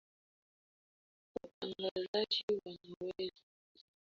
watangazaji wanaweza kuzungumzia mada mbalimbali kwenye vipindi